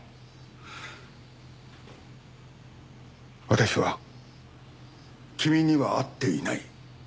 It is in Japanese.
私は君には会っていない。